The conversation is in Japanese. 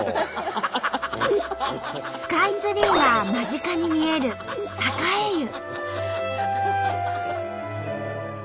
スカイツリーが間近に見える栄湯。